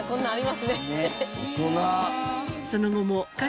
大人！